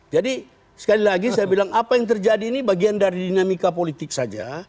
jadi sekali lagi saya bilang apa yang terjadi ini bagian dari dinamika politik saja